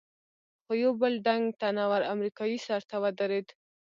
خو یو بل ډنګ، تنه ور امریکایي سر ته ودرېد.